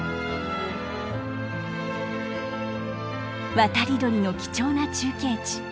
渡り鳥の貴重な中継地